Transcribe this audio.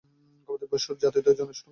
গবাদিপশুর যাতায়াতের জন্য ছিল সুড়ঙ্গ।